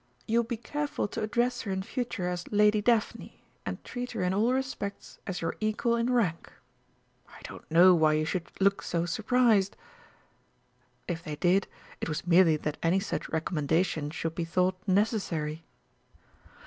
You will be careful to address her in future as 'Lady Daphne,' and treat her in all respects as your equal in rank.... I don't know why you should look so surprised." (If they did, it was merely that any such recommendation should be thought necessary.)